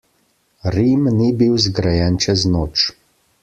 Rim ni bil zgrajen čez noč.